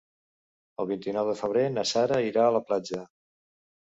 El vint-i-nou de febrer na Sara irà a la platja.